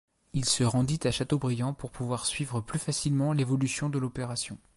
Il se rendit à Châteaubriant pour pouvoir suivre plus facilement l'évolution de l'opération.